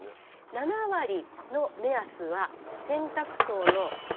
７割の目安は洗濯槽のこれです。